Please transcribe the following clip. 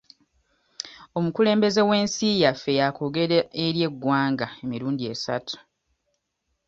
Omukulembeze w'ensi yaffe yaakoogera eri eggwanga emirundi esatu.